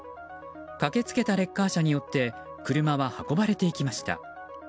駆け付けたレッカー車によって車は運ばれていきました。